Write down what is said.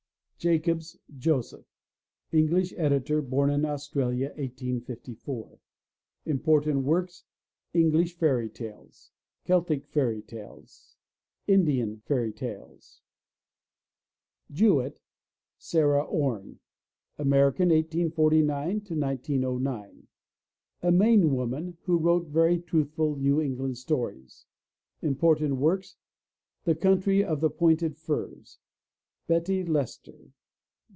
JACOBS, JOSEPH (English editor, born in Australia, 1854 ) Important Works: English Fairy Tales. Celtic Fairy Tales. Indian Fairy Tales. JEWETT, SARAH ORNE (American, 1849 1909) A Maine woman who wrote very truthful New England stories. Important Works: The Country oj the Pointed Firs. Betty Leicester.